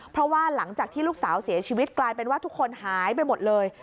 เพราะว่าหลังจากที่ลูกสาวเสียชีวิตกลายเป็นว่าทุกคนหายไปหมดเลย